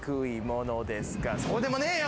そうでもねえよ！